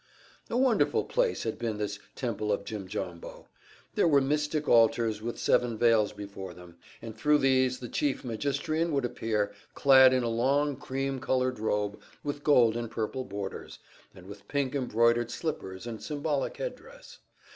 A wonderful place had been this Temple of Jimjambo. There were mystic altars with seven veils before them, and thru these the Chief Magistrian would appear, clad in a long cream colored robe with gold and purple borders, and with pink embroidered slippers and symbolic head dress.